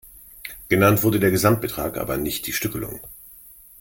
Genannt wurde der Gesamtbetrag, aber nicht die Stückelung.